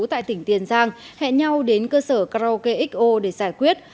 tại tỉnh tiền giang hẹn nhau đến cơ sở karaoke xo để giải quyết